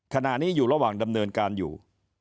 ขณะนี้อยู่ระหว่างดำเนินการอยู่